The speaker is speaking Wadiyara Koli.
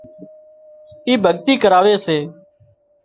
اي ڀڳتي ڪراوي سي